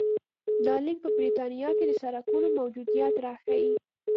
دا لیک په برېټانیا کې د سړکونو موجودیت راښيي